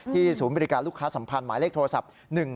ศูนย์บริการลูกค้าสัมพันธ์หมายเลขโทรศัพท์